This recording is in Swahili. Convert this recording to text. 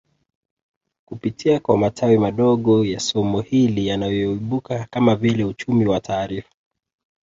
Kupitia kwa matawi madogo ya somo hili yanayoibuka kama vile uchumi wa taarifa